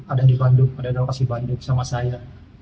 ada di bandung ada yang kasih bandung sama saya